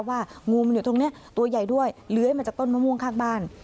งูมันอยู่ตรงนี้ตัวใหญ่ด้วยเลื้อยมาจากต้นมะม่วงข้างบ้าน